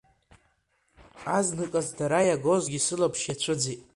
Азныказ дара иагозгьы сылаԥш иацәыӡит.